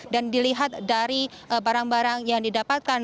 dan dilihat dari barang barang yang didapatkan